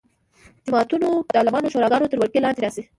جوماتونه د عالمانو شوراګانو تر ولکې لاندې راشي.